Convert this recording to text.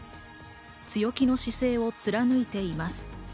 強気の姿勢を貫いています。